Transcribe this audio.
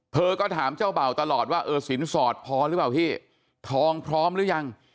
เธอก็ถามเจ้าเบ่าตลอดว่าเออสินสอดพอหรือเปล่าพี่ทองพร้อมหรือยัง